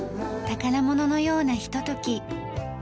宝物のようなひととき。